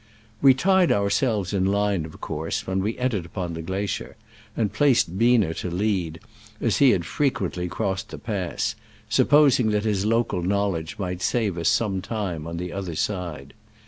We tied ourselves in line, of course, when we entered upon the glacier, and placed Biener to lead, as he had fre quently crossed the pass, supposing that his local knowledge might save us some time upon the other side.